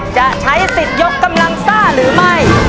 จะใช้สิทธิ์ยกกำลังซ่าหรือไม่